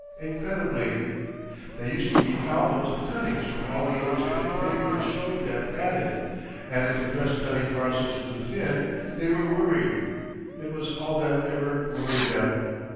Incredibly. They used to keep albums of cuttings from all the illustrated papers showing them at it, and if the press cutting parcels grew thin they were worried. It was all that ever worried them.